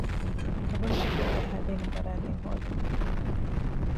ކަބަޑުތަކެއް ޖަހައިދޭނެ ފަރާތެއް ހޯދުމަށް